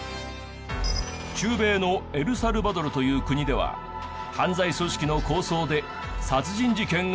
中米のエルサルバドルという国では犯罪組織の抗争で殺人事件が激増。